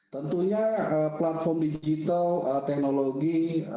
tentunya platform digital teknologi